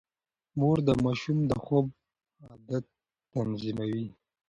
مور د ماشوم د خوب عادت تنظيموي.